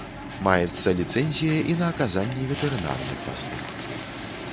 Маецца ліцэнзія і на аказанне ветэрынарных паслуг.